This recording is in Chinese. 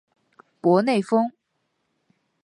博内丰。